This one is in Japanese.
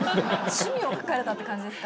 趣味を書かれたって感じですか？